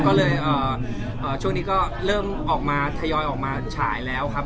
ก็เลยช่วงนี้ก็เริ่มออกมาทยอยออกมาฉายแล้วครับ